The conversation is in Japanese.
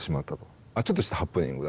ちょっとしたハプニングだなという。